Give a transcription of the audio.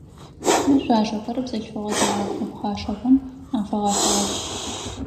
Мы шъуашэхэр бзылъфыгъэ зэокӏо пхъашэхэм афэгъэхьыгъэх.